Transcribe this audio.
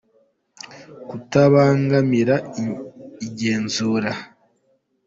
Kutabangamira igenzura